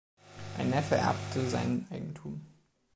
Ein Neffe erbte sein Eigentum.